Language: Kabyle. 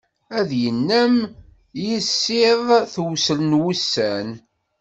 Ad yennam yissiḍ tewzel n wussan.